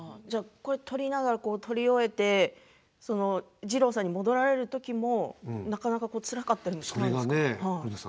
撮り終えて二朗さんに戻られるときもなかなかつらかったりするんですか。